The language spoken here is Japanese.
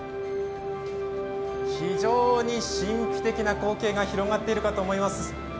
非常に神秘的な光景が広がっているかと思います。